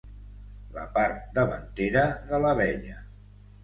La part davantera de l'abella.